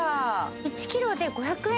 １ｋｇで５００円